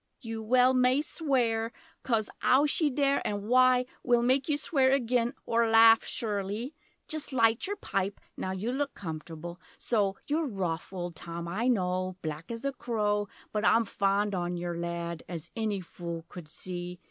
You well may swear; Coz 'ow she dare an' why Will make you swear agen, or laugh surelie! Just light yer pipe Now you look comfortable so You're rough old Tom I know Black as a crow! But I'm fond on yer lad As any fool could see!